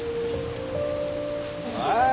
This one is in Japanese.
はい。